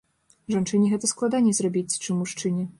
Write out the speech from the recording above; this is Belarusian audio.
Жанчыне гэта складаней зрабіць, чым мужчыне.